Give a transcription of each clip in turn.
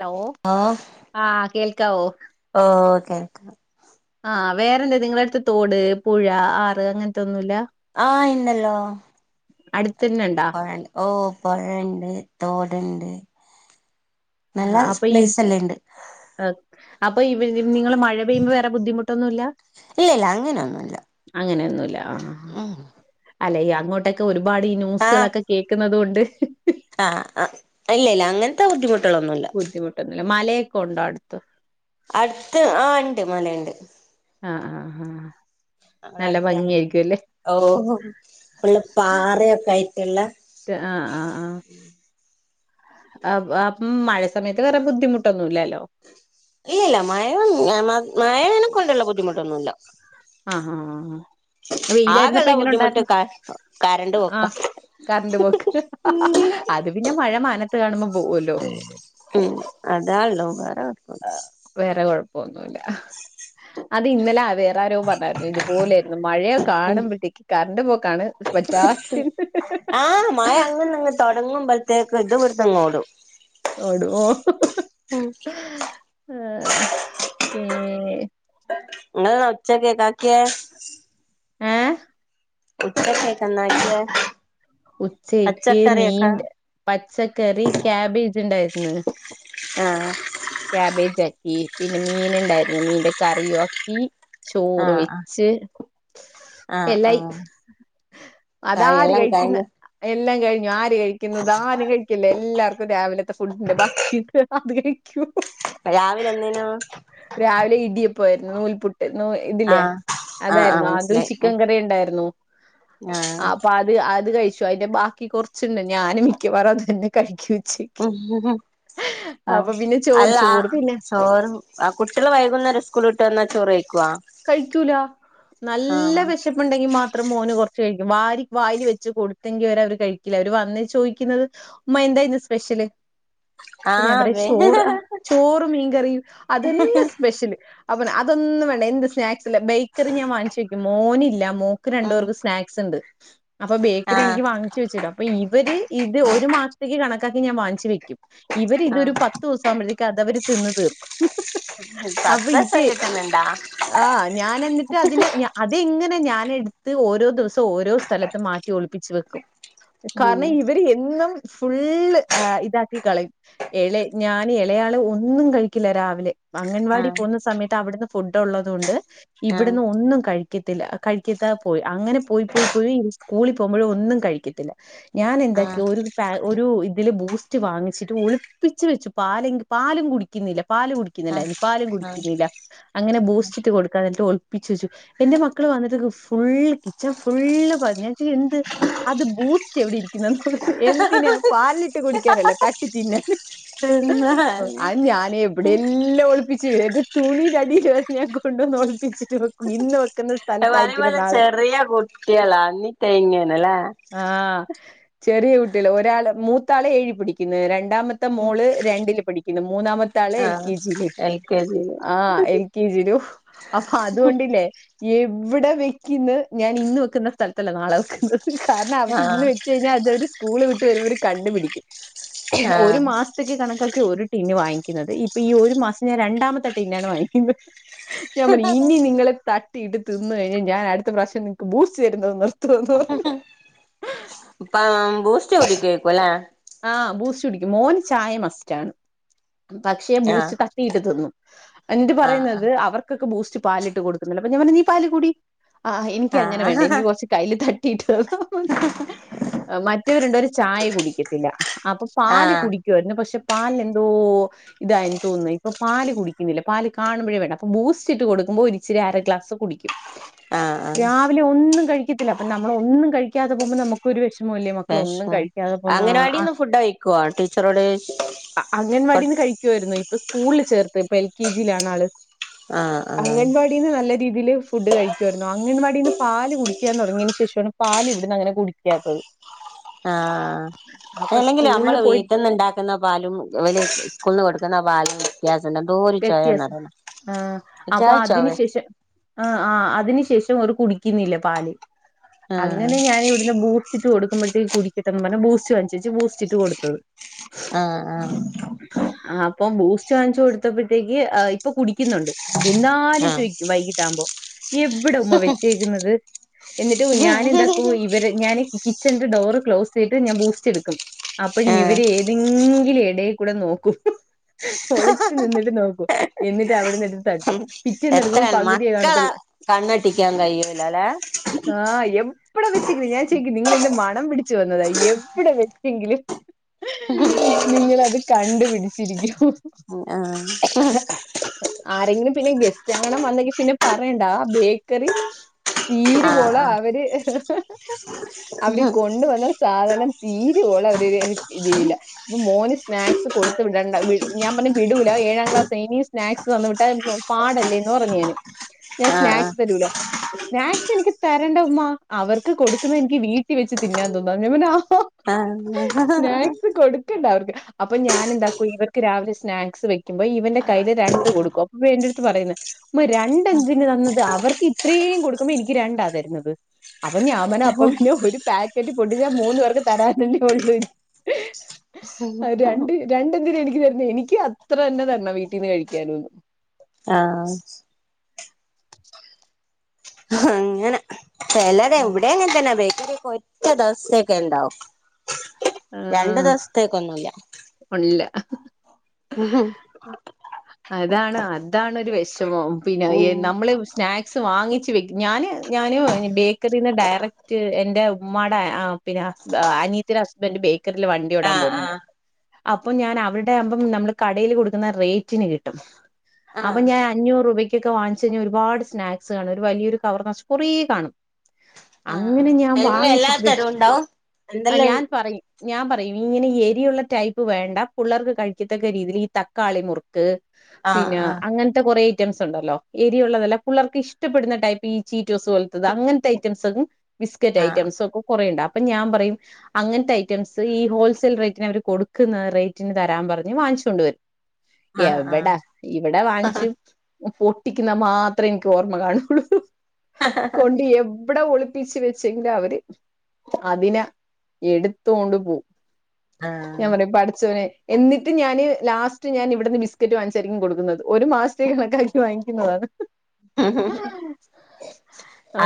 Law ഓ ആ കേൽക്കാവോ? കേൽക്കാ ആ വേറെന്ത് നിങ്ങളട്ത്ത് തോട് പുഴ ആറ് അങ്ങനത്തോ ന്നുല്ല? ആ ഇണ്ടല്ലോ. അടുത്തന്നെ ഇണ്ടാ പൊഴണ്ട് ഓ പൊഴണ്ട് തോട്ണ്ട് ആ അപ്പൊ യും ഇണ്ട് ഹ് അപ്പൊ ഇവ നിങ്ങള് മഴ പെയ്യുമ്പോ വേറെ ബുദ്ധിമുട്ടൊന്നുല്ല? ഇല്ല ഇല്ല അങ്ങനെയൊന്നുല്ല ആ അല്ലെ അങ്ങോട്ടൊക്കെ ഒരുപാട് ഈ ന്യൂസുകളൊക്കെ കേൾക്കുന്നുന്നത് കൊണ്ട് ആ ഇല്ല ഇല്ല അങ്ങനത്തെ ബുദ്ധിമുട്ടുകളൊന്നുല്ല ബുദ്ധിമുട്ടൊന്നുല്ല മലയൊക്കെ ഉണ്ടോ അടുത്ത അടുത്ത് ആ ഉണ്ട് മലുണ്ട് ആ ആഹ് ആ നമ്മളെ നല്ല അടുത്ത് ഭംഗിയ തന്നെണ്ട് ആയിരിക്കും ല്ലേ ഓ പിള്ള പാറൊക്കെ ആയിട്ടുള്ള ആഹ് ആഹ് ആഹ ആം മഴ സമയത്ത് വേറെ ബുദ്ധിമുട്ടൊന്നുമല്ലല്ലേ ഇല്ലല്ല മയ മയനെ കൊണ്ടുള്ള ബുദ്ധിമുട്ടൊന്നുമല്ല ആഹ ആാ ആ വെയിലായിരുന്നപ്പ ആകെള്ള എങ്ങനെ ബുദ്ധിമുട്ട് ഉണ്ടായിരുന്നു ക കരണ്ട് ആ് പോക്കാ കററ് പോക്ക് അത് പിന്നെ മഴ മാനത്ത് കാണുമ്പോ പോവല്ലോ ഉം അതാള്ളൂ ആ കൊഴപ്പൊന്നുല്ല വേറെ കൊഴപ്പൊന്നുമല്ല അത് ഇന്നലെ ആ വേറെ ആ രൂപം പറഞ്ഞായിരുന്നു ഇതുപോലൊയിരുന്നു മഴയ കാണുമ്പോഴത്തേക്ക് കറണ്ട് പോക്കാണ് പറ്റാത്തത് ആഹ മഴ അങ്ങങ്ന്നങ്ങ് തൊടങ്ങുമ്പോഴത്തേക്ക ഇത് ഇവിടെനാഗോഡും ഓടുഹ്? ആഹ നിങൾ ഉച്ചകി എന്നാണ്ടാക്കിയെ ആഹ ഇപ്പ കൈക്കൻ എന്നാണ്ടാക്കിയെ ഉച്ചക്ക് മീൻ പച്ചക്കറി കാക്ബേജ് ഉണ്ടായിന്ന് ആഹ് കായാബേജ ആക്കി പിന്നെ മീൻ ഉണ്ടായിരുന്നു മീന്റെ കറിയും ആക്കി ചോറ് ആഹ് ആഹ് വെച്ച് ആഹ് എല്ലായി ആഹ് കായ് അതാര് എല്ലാം കഴിക്കുന്ന കഴിഞ്ഞു എല്ലാം കഴിഞ്ഞു ആര് കഴിക്കുന്നു ഇതാരും കഴിക്കില്ല എല്ലാവർക്കും രാവിലെ ഫുഡിന്റെ ബാക്കിട്ട് അത് കഴിക്കൂ രാവിലെ എന്തേനും രാവിലെ ഇടിയപ്പോ ആരുന്നു നൂൽപുട്ട് നൂ ഇതില്ലേ ആഹ് ആഹ് ആഹ് അതായിരുന്നു അതും മനസ്സിലായി ചിക്കൻ കറി ഉണ്ടായിരുന്നു ആഹ് അപ്പൊ അത് അത് കഴിച്ചു അതിന്റെ ബാക്കി കുറച്ചുണ്ട് ഞാനും മിക്കവാറും അത് തന്നെ കഴിക്ക ഉം ഉ ആ പിന്നെ ചോറ് അല്ല ചോറ് പിന്നെ ചോറ് ആ കുട്ടികള് വൈകുന്നേരം സ്കൂളിട്ട് വന്നാ ചോറ് കഴിക്കവാ കഴിക്കൂല നല്ല വിശപ്പുണ്ടെങ്കി മാത്രം മോന് കൊറ വ വെച്ച് കൊടുങ്കി കഴിക്കില്ല അവര് വന്ന ചോദിക്കുന്നത് ഉമ്മ എന്ത ചെല്ല് ഞാൻ ആഹ് പറയാ വേ ചോറ് ചോറ മീൻകറിയും അതന്നെ സ്പെഷ്യല് അപ്പന അതൊന്ന വേണ്ട എന്ത് സ്നാക്സ് ബേക്കറി ഞൻാങ്ങിച്ചു വയ്ക്കും മോനില്ല ഉം സ്ന അ ബ എനി ആഹ് വ വ ഒരു മാസത്തേക്ക് കണക്കാക്കി ഞാൻ വങ്ങിച്ചച്ച് വയ്ക്കും ഇവരി ആഹ് ഇതൊരു പത്ത്ു ദിവസം ആവുമ്പഴത്തേക്കും അത്വര് തിന്ന് തീർക്കും അപ്പൊ ഇത് പത്തസ്ണ്ടിട്ടന്നണ്ടാ ആ ഞാന എന്നിട്ട് അതിനന് അതങ്ങ അെ ഞാാന എടുത്ത് ഓരോ ദിവസം ഓരോ സ്ഥലത്ത മാറ്റി ഒളിപ്പിച്ച് വെക്കും ഉം കാരണം ഇവര് എന്നും ഫുള്ള് ഇതാക്കി കളയും ഇള ഞാൻ ഇളയാള് ഒന്നും കഴിക്കില്ല രാവിലെ അംഗൻവാടി ആഹ് പോകുന്ന സമയത്ത് അവിടുന്ന് ഫുഡ് ഉള്ളത കൊണ്ട് ആഹ് ഇവിടുന്ന് ഒന്നും കഴിക്ക കഴിക്കത്തില്ല കഴിക്കത്താ പോയി അങ്ങനെ പോയി പോയി പോയി ഈ സ്കൂളിൽ പോകുമ്പോഴ ഒന്നും കഴിക്കത്തില്ല ഞാൻ ആഹ് എന്താക്കിയ ഒരു ഒരു ഇതില് ബൂസ്റ്റ് വാങ്ങിച്ചിട്ട് ഒളിപ്പിച്ച് വെച്ച് പാൽ പാലും കുടിക്കുന്നില്ല. പാല് ആഹ് കുടിക്കുന്നുണ്ടായിനി പാലും ആഹ് കുടിക്കുന്നില്ല. അങ്ങനെ ബൂസ്റ്ററ്റ്ട്ട് കൊടുക്കാ എന്നിട്ട് ഒളിപ്ച്ച് വെച്ചു എന്റെ മക്കള് വന്നിട്ട് ഫുള് കിച്ചൺ ഫുള് ഞാൻ ചോയ് എന്ത് അത് ബൂസ്റ്റ് എവിടെ ഇരിക്കുന്നെ [unintelligible] എന്തിനെ പാൽലിട്ട് കുടിക്കാനല്ല തട്ടി തിന്നാൻ തിന്നാന് അഹ് ഞാൻ എവിടെ എല്ലാം ഒളിപ്പിച്ചു എന്റെ തുണിടടി [unintelligible] കൊണ്ട്ന്നൊൽപ്പിച്ചിട്ട് വെക്കും ഇന്ന് വെ [unintelligible] ചെറിയ കുട്ടിയളാ ന്നിട്ടാ ഇങ്ങനെ. ആ ചെറിയ കുട്ടിയൾ ഒരാള് മൂത്താള് ഏഴി പഠിക്കുന്നെ രണ്ടാമത്തെ മോള് രണ്ടില് പഠി പിന്നെ മൂന്നാമത്തെ ആള് എൽ ആഹ് കെ ജി ല് എൽ കെ ജിയില് ആ എൽ രും ഹ് അപ്പൊ അതുകൊണ്ടില്ലേ എവ് വിടെ വെക്ക്ന്ന് ഞാൻ ഇന്ന് വെക്കുന്ന സ്ഥലത്തല്ല നാളെ വെക്കുന്നത്. കാരണം അവരിന്ന് ആഹ് വെച്ച് കഴിഞ്ഞാൽ അത് അവര് സ്കൂള് വിട്ട് വരുമ്പോര് കണ്ടു പിടിക്കും. [inaudible] ഒരു ആഹ് മാസത്തേക്ക് കണക്കാക്കി ഒരു ട്ടിന്ന് വാങ്ങിക്കുന്നത് ഇപ്പൊ ഈ ഒരു മാസം ഞാൻ രണ്ടാമത്തെ ട്ടിന്നാണ് വാങ്ങിക്കുന്നത്. ഞാൻ [unintelligible] ഇനി നിങ്ങള് ത ട്ടിയിട്ട് തിന്ന് കൈഞ്ഞാ ഞാൻ അടുത്ത പ്രാവശ്യം ന്ക്ക് ബൂസ്റ്റ് തരുന്നത് നിർത്തൊന്ന് പറഞ്ഞു. പ.. ഹ്മ് ബൂസ്റ്റ് കുടികേക്കുലേ. ആ.. ബൂസ്റ്റ്‌ കുടിക്കും മോന് ചായ മസ്റ്റാണ്. പക്ഷെ ആഹ് ബൂസ്റ്റ് തട്ടിയിട്ട് തിന്നും എന്നിട്ട് ആഹ് പറയുന്നത് അവർക്കൊക്കെ ബൂസ് പാലിട്ട് കൊടുക്കുന്നുണ്ട് അപ്പൊ ഞാൻ പറഞ്ഞു നീ പാല് കുടി. ആഹ് എനിക്ക് അങ്ങനെ വേണ്ട എനിക്ക് കൊറച്ച് കയ്ൽ തട്ടിട്ട് തന്ന മ മറ്റവരു രണ്ടേര് ചായ കുടിക്കും. ല അപ്പൊ പാല് ആഹ് കുടിക്കുവായിരുന്നു പക്ഷെ പാൽലെന്തോ.. ഇതായിൻ തോന്നുന്നു ഇപ്പൊ. പാല് കുടിക്കുന്നില്ല പാല് കാണുമ്പഴേ വേണ്ട അപ്പൊ ബൂസ്റ്റ് ഇട്ട് കൊടുക്കുമ്പോ ഒരിച്ചിരി അര ഗ്ലാസ് കുടിക്കും. ആഹ് രാവിലെ ഒന്നും കഴിക്കത്തില്ല അപ്പ നമ്മൾ ഒന്നും കഴിക്കാതെ പോകുമ്പോ നമുക്കൊരു വെശ് മല്ലേ മക്കളൊന്നും വിഷമം കഴിക്കാതെ പോകുന്ന ആ.. ആഹ് അംഗനവാടിന്ന് ഫുഡ് കഴിക്കുവോ ടീച്ചറോട് ചോദിച്ച് കൊടു അഅംഗൻവാടിന്ന് കഴിക്കുായിരുന്നു ഇ പ്പൊ സ്കൂളിൽ ചേർത്ത് ഇപ്പൊ എൽ കെ ജിയിലാണ് ആള് ആഹ് ആഹ് അങ്കൻവാടിന്ന് നല്ല. രീതിൽ ഫുഡ് കഴിക്കുവമായിരുന്നു അൻവാടിന്ന് പാല് കുടിക്കാൻ തൊടങ്ങിയതിന് ശേഷാണ് പാല് ഇവിടന്ന് അങ്ങനെ കുടിക്കാത്തത്. അപ്പൊ അല്ലെങ്കിലും സ്കൂളില് നമ്മള് പോയി വീട്ടിന്ന്ണ്ടാക്കുന്ന പാലും ഇവല് സ് സ്കൂൾന്ന് കൊടുക്കുന്ന പാലും വ്യത്യാസ വ്യത്യാസം ആ അപ്പൊ ചായ അതിനു ചൊവേ ശേഷം ആ ആ അതിനു ശേ ഷം അത്‌ കുടിക്കുന്നില്ല പാല് ആഹ് അങ്ങനെ ഞാനിവിട്ന്ന് ബൂസ് ട്ട് കൊടുക്കുമ്പോഴേത്തേക്കും കുടിക്കട്ടന്ന് പറഞ്ഞ് ബൂസ്റ്റ് വേടിച്ചിട്ട് ബൂസ്റ്റിട്ട് കൊടുത്തത്. ആ.. ആഹ്. ഇപ്പ ബൂസ്റ്റ് വാങ്ങിച്ച് കൊടുത്തപ്പോഴത്തേക്ക്ആഹ് ഇപ്പൊ കുടി ന്നുണ്ട് ആഹ് എന്നാലും ചോയ്ക്കും വൈകിട്ടാകുമ്പോ എവിട ഉമ്മ വെച്ചേക്കുന്നത്. എന്നിട്ട് ഹ് ഞാന് എന്താക്കു ആഹ് ഇവരെ ഞാന് കി കിച്ചൻ ഡോറ് ക്ലോസയ്ത് ഞാൻ ബൂസ്റ്റ് എടുക്കും അപ്പോയ് ആഹ് ഇവര് ഏതെങ് എടേൽ കൂടെ നോക്കും ഒളി എന്നിട്ട് അവിടെന്ന് എ ഹ്മ് എത്ര മക്കളെ കണ്ണട്ടിക്കാൻ കഴിയ്ണില്ലലെ. എവ്വ്ടെ വെച്ചെങ്കിലും ഞാൻ ചോയിക്കു നിങ്ങളെന്ത മണം പിടിച്ചു വന്നതാ എവിടെ വെച്ചെങ്കിലും. ഹ്.. നിങ്ങളത് കണ്ട്പിടിച്ചിരിക്കും. ഹ് ആ.. ഹ്. ആരെങ്കിലും പിന്നെ ഗെസ്റ്റ് ആങ്ങണം വന്നെങ്കി പിന്നെ പിന്നെ പറയണ്ട ആ ബേക്കറി. തീരുവോളം ആഹ് അവര് അവര് കൊണ്ടുവന്ന സാധനം തീരുവോലം അവര് ഇതിയില്ല ഇത് മോന് സ്നാക്സ് കൊടുത്തു വിടണ്ട വ് ഞാൻ പറഞ്ഞ്. വിടൂല ഏഴാം ക്ലാസ് ഇനിം സ്നാക്സ് തന്ന് വിട്ടാ [unintelligible] പാടല്ലേ ന്ന് പറഞ്ഞുഞാന്. ഞാൻ ആഹ് ആഹ് സ്നാക്സ് തരൂല. സ്നാക്സ് എനിക്ക് തരണ്ട ഉമ്മ അവർക്ക് കൊടുക്കുന്ന എനിക്ക് വീട്ടിൽ വെച്ച് തിന്നാൻ തന്നു ഞാപറഞ്ഞു ആഹ് ആഹ് സ്നാക്സ് കൊടുക്കണ്ട അവർക്ക് അപ്പൊ ഞാന ന്താക്കും ഇവർക്ക് രാവിലെ സ്നാ ക്സ്‌ വെക്കുമ്പോ ഇവന്റെ കയ്യില് രണ്ട് കൊടുക്കും അപ്പൊ വെൻ എന്റെട്ത്ത് പറയ്ന്ന് മ്മ രണ്ട് എന്തിന് തന്നത് അവർക്ക് ഇത്രേ കൊടുക്കുമ്പോ എനിക്ക് രണ്ടാ തര്ന്നത് അപ്പൊ ഞാമന് അപ്പ പിന്നെ ഒരു പാക്കറ്റ് പൊട്ടിച്ചാ മൂന്നു പേർക്ക് തരാന്നല്ലേ ഉള്ളു അ രണ്ട് രണ്ടെന്തിനാ എനിക്ക് തരുന്നേ എനിക്ക് അത്ര തന്നെ തര്ണ വീട്ടിന്ന് കഴിക്കാന്നുംന്ന് ആഹ് അങ്ങനെ [unintelligible] ഇവിടെ അങ്ങെൻ തന്നെ ബേക്കറീക്കെ ഒറ്റ ദിവസൊക്കെ ഇണ്ടാവും രണ്ട് ദിവസത്തേക്കൊന്നുല്ല ഉല്ല.. അഹ്.. ഇൻ ഓഡിബിൾ അതാണ്, അതാണോര് വെഷമം പിന്നെ ആഹ് നമ്മള് സ്നാക് വാങ്ങിച് വെക്കും, ഞാന് ഞാൻ ബേക്കറിന്ന് ഡയറക്റ്റ് എന്റെ ഉമ്മാടെ പിന്ന മ് അനിയത്തീടെ ഹസ്ബൻഡറ് ബേക്കറിൽ വണ്ടി ഓടാൻ പോകുന്നുണ്ട്. ആഹ് അപ്പം ഞാൻ അവിടെ ആമ്പം നമ്മള് കടയിൽ കൊടുക്കുന്ന റേറ്റിന് കിട്ടും. ആഹ് അപ്പം ഞാൻ അഞ്ഞൂറ് രൂപയ്ക്ക് ക്കെ വാങ്ങിച് കഴിഞ്ഞാൽ ഒരുപാട് സ്നാക്സ് കാണും, ഒരു വലിയരു കവർ നറ്ച്ച് കുറേ കാണും ആഹ് അങ്ങനെ ആഹ് ഞാൻ അതിന് എല്ലാ വാങ്ങിച്ചിട്ട് തരവും വെക്കും, ഉണ്ടാവും ആ എന്തെല്ലാം ഞാൻ പറയും ഞാൻ പറയും ഇങ്ങനെ ഈ എരിയുള്ള ടൈപ്പ് വേണ്ട പുള്ളെർക്ക് കഴിക്കത്തക്ക രീതിയിൽ ഈ തക്കാളി മുറ്ക്ക് ആഹ് പിന്നെ ആഹ് അങ്ങനത്തെ കൊറെ റ്റംസ് ണ്ടല്ലോ എരിയുള്ളതല്ല പുള്ളേർക്ക് ഇഷ്ടപ്പെടുന്ന ടൈപ്പ് ഈ ചീറ്റോസ് പോലത്തത് അങ്ങനത്തെ ഐറ്റംസ് ബിസ്കറ്റ് ഐറ്റംസൊ ക്കെ കൊറേണ്ട് അപ്പം ഞാൻ പറയും അങ്ങൻത്തെ ഐറ്റംസ് ഈ ഹോൾസെയിൽ റേറ്റിന് അവർ കൊടുക്കുന്ന റേറ്റിന് തരാൻ പറഞ്ഞ് വാങ്ങിച്ചോണ്ട് വരും. ആഹ് ആഹ് എവെടാ, ഇവിടാ വാങ്ങിച്ചു ആഹ് പൊട്ടിക്കുന്ന മാത്രഎനിക്ക് ഓർമ്മ കാണുള്ളൂ ഹ് ഹ് ഹ് കൊണ്ട് എവിടെ ഒളി പ്പിച്ച് വെച്ന്റെ അവര്, അതിനെ എടുത്തോണ്ട് പോവും. ഞാൻ ആഹ് പറയും പടച്ചോനെ എന്നിട്ട് ഞാന് ലാസ്റ്റ് ഞാൻ ഇവിട്ന്ന് ബിസ്ക്കറ്റ് വാങ്ങിച്ചായിരിക്കും കൊടുക്കുന്നത്, ഒരു മാസത്തേക്ക് കണക്കാക്കി വാങ്ങിക്കുന്നത്. ഹ് ഹ് ഹ്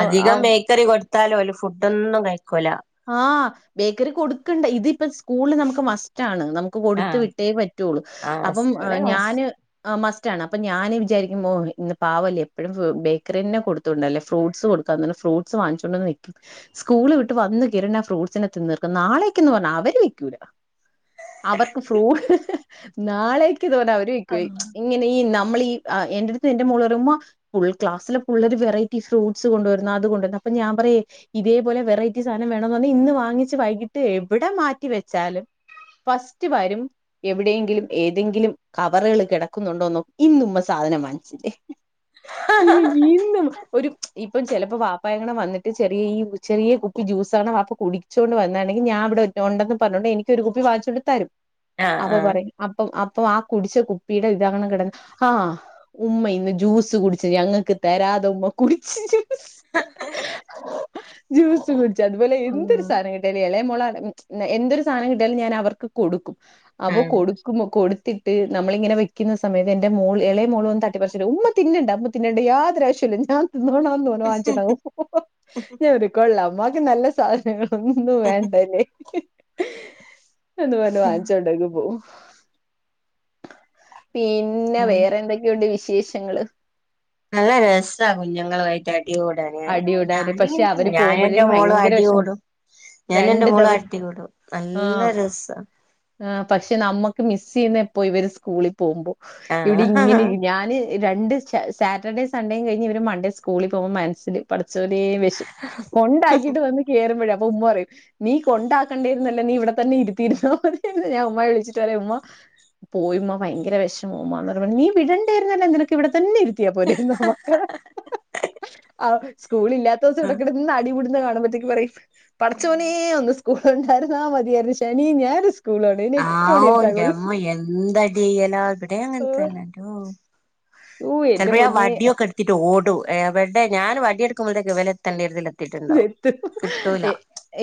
അധികം ബേക്കറി കൊട് ത്താലോല്, ഫുഡോന്നും കഴിക്കൂല ആ ബേക്കറി കൊട്ക്കണ്ട ഇതിപ്പ സ്കൂളില് നമുക്ക് മസ്റ്റാണ് നമുക്ക് കൊടുത്ത് ആഹ് വിട്ടേ പറ്റുള്ളൂ, ആഹ് അപ്പം സ്കൂളിലെ ഭക്ഷ ഞാന് അ മസ്‌ റ്റാണ് അപ്പ ഞാൻ വിചാരിക്കുമ്പോ ഇന്ന് പാവല്ലേ എപ്പഴും ബേക്കറിന്നെ കൊടുത്തുൊണ്ടല്ലേ ഫ്രൂട്ട്സ് കൊടുക്കാ. ഫ്രൂട്ട്സ് വാങ്ങിച്ചുകൊണ്ടന്ന് വെക്കും സ്കൂള് വിട്ട് വന്ന് കിരണ ഫ്രൂട്ട്സിനെ തിന്ന്ർക്ക്‌ന്ന നാളെയക്കന്ന് പറഞ് അവര് വെക്കൂല അവർക്ക് ഫ്രൂ ഹ് ഹ് ഹ് നാളേക്ക് തോന്നെ അവര് ആഹ് [unintelligible] നമ്മള് ഈ എന്റെട്ത്ത് എന്റെ മോള് പറയും ഉമ്മാ ഫുൾ ക്ലാസിലെ പുള്ളെര് വെററ്റി ഫ്രൂട്ട് കൊണ്ടുവരുന്ന അതുകൊണ്ട് അപ്പ ഞാൻ പറയെ ഇതേപോലെ വെററ്റീസ് സാദ വേണോന്ന് പറ്ഞാ ഇന്ന് വാങ്ങിച്ച് വൈകിട്ട് എവിടെ മാറ്റി വെച്ചാലും. ഫസ്റ്റ് വരും എവിടെയെങ്കിലും ഏതെങ്കിലും കവറ്കൾ കെടക്കുന്നുണ്ടോന്ന് നോക്കും ഇന്ന് ഉമ്മ സാധ അതിനെ മനസില്ലേ ഇനി ഇന്നും ഒരു പ്പം ചേലപ്പോ വാപ്പായുംകൂടെ വന്നട്ട് ചെറീ ചെറീ ഈ ജൂസാണ് വാപ്പ കുടിച്ചോണ്ട് വന്നാണെങ്കിൽ ഞാൻവ്ടെ ണ്ടോന്ന് പറഞ്ഞുകോണ്ട് എനിക്കോരു കുപ്പി വാങിച്ചോ ണ്ട് തരും. അപ്പൊ ആഹ് പറയും അപ്പം അ പ്പൊ ആ കുടിച്ച കുപ്പിയുടെ ഇതാണ് കിടന്ന് ആ ഉമ്മ ഇന്ന് ജ്യൂസ് കുടിച് ഞങ്ങക്ക് തരാ അതുമ്മ കുടിച്. ഹ് ഹ് ഹ് ജ്യൂസ് കുടിച്ചാണ്ട് ബലെ എന്തൊരു സാധനം കിട്ടാലും എളെ എന്തൊരു സാധനം കിട്ടിയാലും ഞാൻ അവർക്ക് കൊടുക്കും അവ ആഹ് കൊടുക്കുമ്പോ കൊട് ത്തിട്ട് നമ്മളിങ്ങെനേ വെക്കുന്ന സമയത്ത് എന്റെ മോൾ എളെ മോള് വന്ന് തട്ടി പറിച്ട്ട് ഉമ്മ തിന്നണ്ട ഉമ്മ തിന്നണ്ട യാതൊരാവിശ്യില്ല ഞാൻ അതങ്ങ് മേടിച്ചട് അങ്ങ് പോകും ഹ് ഹ്, ഞാൻ പറയും ആ കൊള്ളാം ഒന്നും വേണ്ടനി. ന്നിട്ട് മേടിച്ചോണ്ട് അങ്ങ് പോകും ഹ് പിന്നെ വേറെ എന്തൊക്കെയുണ്ട് വിശേഷങ്ങള്? അടിയോടടി അടികൂടാന് ആയി പക്ഷെ അവര് ഞാൻ എന്റെ പോകുമ്പോഴത്തേക്കും മോളും ഭയങ്കര അടി വിഷമം കൂടും. ഞാൻ എൻ്റെ രണ്ട് മോളും ദിവസം അട്ടികൂടും. ആഹ് നല്ല രസാണ്. ആഹ് പക്ഷെ നമ്മക്ക് മിസ് ചെയ്യുന്ന എപ്പോ ഇവര് സ്കൂളിൽ പോകുമ്പോ ഇവിടെ ഇങ്ങനെ ആഹ് ഞാൻ, രണ്ട് സാറ്റർഡേ സണ്ടേയും കഴിഞ്ഞ് ഇവര് മൺഡേ സ്കൂളിൽ പോകുമ്പോൾ മനസ്സിൽ [inaudible] ചെറിയ വിശപ്പ് കൊണ്ടാക്കിട്ട് വന്ന് കേയറുമ്പോഴ അപ്പൊ ഉമ്മ പറയും, നീ കൊണ്ടാക്കേണ്ടേരുന്നല്ലോ നീ ഇവിടെ തന്നെ ഇരുത്തിയിരന്നാ മതിയെന്ന്. ഞാൻ ഉമ്മായെ വിളിച്ചിട്ട് പറയും ഉമ്മ, പോയിമ്മ ഭയങ്കര വിഷമാ പറഞ്ഞ് നീ വിടണ്ടരുന്നല്ല നിനക്കിവിടെ തന്നെ ഇരിക്ക [unintelligible] പോലെന്നോ മക്കളെ ആ സ്കൂൾ ഇല്ലാത്ത ദിവസം ഇവിടകിടന്ന് അടി പിടുത് കാണുമ്പോത്തേക്ക് പറയും, പടച്ചോനെ ഒന്ന് സ്കൂൾ ഉണ്ടായിരുന്നാ മതിയായിരുന്നു ശനിയും ഞായറും സ്കൂ ആ ഓ ന്റെ അമ്മൊ എന്ത് അടിലാ ഇവിടെ അങ്ങനത്തെ ഓ എന്റെ ചിലപ്പോ ഞാൻ പൊന്നെ വടിയൊക്കെ എടുത്തിട്ട് ഓടും. എവടെ ഞാൻ വടിയ എടുക്കുമ്പോഴത്തേക്കെ ഇവര്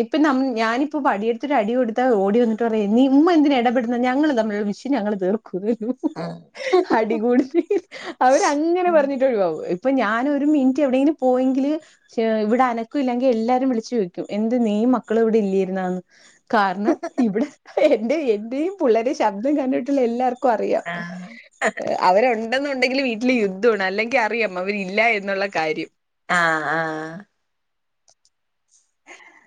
ഇപ്പൊ ഞാനിപ്പൊ വടിയെടുത്തിട്ട് അടി കൊടുത്താ ഓടിന്ന ഉമ്മ എന്തിന ഇടപെടുന്ന ഞങ്ങള് തമ്മിലുള്ള വിഷയം ഞങ്ങൾ തീർക്കും. ഉം അടികൂടി അവരങ്ങനെ പറഞ്ഞിട്ട് ഒഴിവാവും. ഇപ്പൊ ഞാൻ ഒരു മിനിറ്റ് എവിടെങ്കിലും പോയെങ്കില് ഇവിട എനക്ക ഇല്ലെങ്കിൽ എല്ലാരും വിളിച്ചു ചോയ്ക്കും എന്ത് നീയും മക്കളും ഇവിടെ ഇല്ലയിരുന്നന്ന്. കാരണം ഇവിടെ എന്റെ എന്റെയും പുള്ളേരെ ശബ്ദം കണ്ടിട്ടുള്ള എല്ലാർക്കും, എല്ലാർക്കറിയാം ആഹ് അവരോടാ ഇണ്ടെന്നുണ്ടെങ്കിൽ വീട്ടില് യുദ്ധമാണ് അല്ലെങ്കിൽ അറിയാം അവരില്ല എന്നുള്ള കാര്യം. ആഹ്